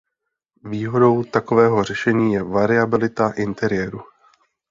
Výhodou takového řešení je variabilita interiéru.